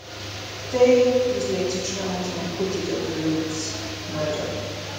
Day was later tried and acquitted of Loeb's murder.